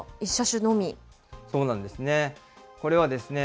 そうなんですね。